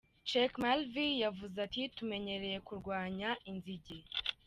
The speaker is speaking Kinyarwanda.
Chekmarev yavuze ati "Tumenyereye kurwanya inzige.